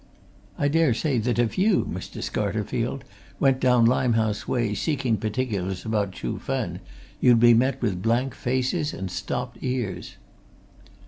"I dare say that if you, Mr. Scarterfield, went down Limehouse way seeking particulars about Chuh Fen, you'd be met with blank faces and stopped ears."